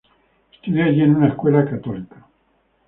Estudió allí en una escuela católica.